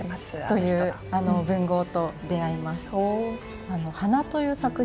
という文豪と出会います。